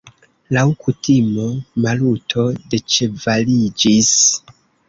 Laŭ kutimo Maluto deĉevaliĝis.